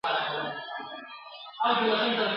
ستا قاتل سي چي دي زړه وي په تړلی !.